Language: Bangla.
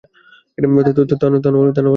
তানাহলে এটাতেও বাধা দিতে।